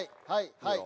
はい。